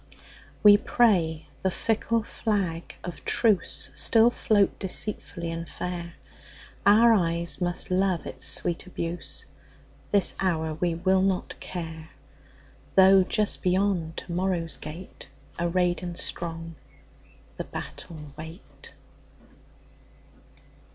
We pray the fickle flag of truceStill float deceitfully and fair; Our eyes must love its sweet abuse; This hour we will not care, Though just beyond to morrow's gate, Arrayed and strong, the battle wait.